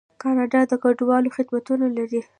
کاناډا د کډوالو خدمتونه لري.